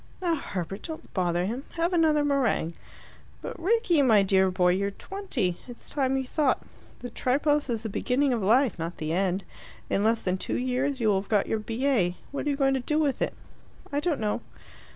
"Now, Herbert, don't bother him. Have another meringue." "But, Rickie, my dear boy, you're twenty. It's time you thought. The Tripos is the beginning of life, not the end. In less than two years you will have got your B.A. What are you going to do with it?" "I don't know."